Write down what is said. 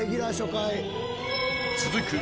［続く］